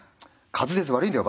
滑舌悪いんだよ